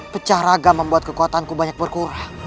pecah ragam membuat kekuatanku banyak berkurang